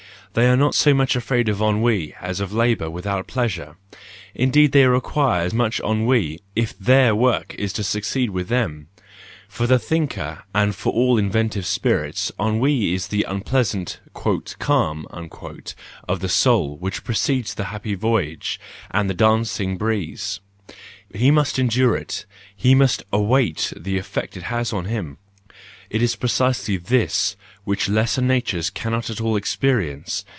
They are not so much afraid of ennui as of labour without pleasure; indeed they require much ennui, if their work is to succeed with them. For the thinker and for all inventive spirits ennui is the unpleasant "calm" So THE JOYFUL WISDOM, I of the soul which precedes the happy voyage and the dancing breezes; he must endure it, he must await the effect it has on him :—it is precisely this which lesser natures cannot at all experience!